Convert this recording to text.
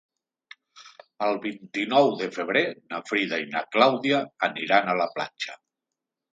El vint-i-nou de febrer na Frida i na Clàudia aniran a la platja.